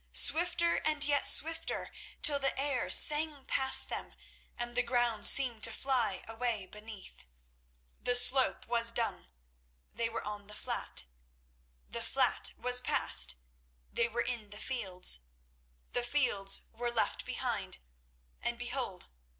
Swifter and yet swifter, till the air sang past them and the ground seemed to fly away beneath. The slope was done. They were on the flat; the flat was past, they were in the fields; the fields were left behind; and, behold!